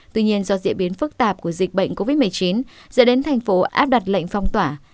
tuy nhiên do diễn biến phức tạp của dịch bệnh covid một mươi chín dẫn đến thành phố áp đặt lệnh phong tỏa